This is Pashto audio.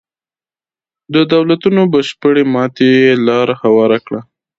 د دولتونو بشپړې ماتې ته یې لار هواره کړه.